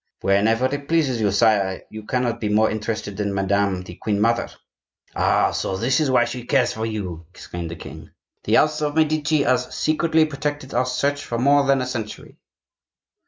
"Whenever it pleases you, sire; you cannot be more interested than Madame the Queen mother." "Ah! so this is why she cares for you?" exclaimed the king. "The house of Medici has secretly protected our Search for more than a century."